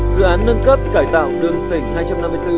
dự án nâng cấp cải tạo đường tỉnh hai trăm năm mươi bốn